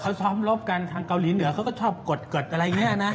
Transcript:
เขาซ้อมรบกันทางเกาหลีเหนือเขาก็ชอบกดกดอะไรอย่างนี้นะ